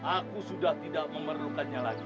aku sudah tidak memerlukannya lagi